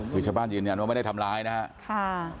คือชาวบ้านยืนยันว่าไม่ได้ทำร้ายนะครับ